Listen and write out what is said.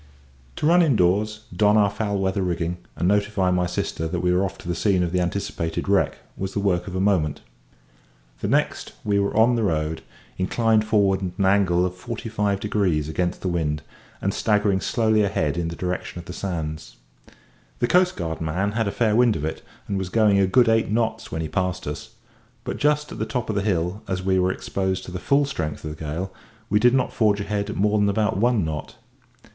To run indoors, don our foul weather rigging, and notify my sister that we were off to the scene of the anticipated wreck, was the work of a moment. The next we were in the road, inclined forward at an angle of forty five degrees against the wind, and staggering slowly ahead in the direction of the sands. The coastguard man had a fair wind of it, and was going a good eight knots when he passed us; but just at the top of the hill, as we were exposed to the full strength of the gale, we did not forge ahead at more than about one knot.